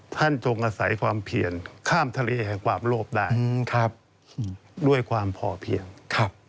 จงอาศัยความเพียรข้ามทะเลแห่งความโลภได้ครับด้วยความพอเพียงครับ